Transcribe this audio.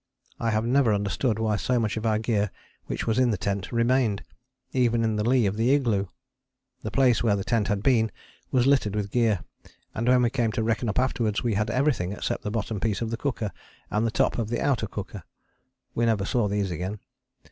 I have never understood why so much of our gear which was in the tent remained, even in the lee of the igloo. The place where the tent had been was littered with gear, and when we came to reckon up afterwards we had everything except the bottom piece of the cooker, and the top of the outer cooker. We never saw these again.